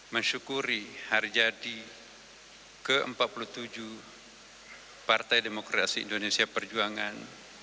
mensyukuri hari jadi ke empat puluh tujuh partai demokrasi indonesia perjuangan